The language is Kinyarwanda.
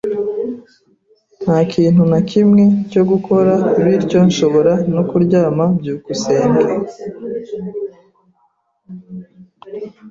Nta kintu na kimwe cyo gukora, bityo nshobora no kuryama. byukusenge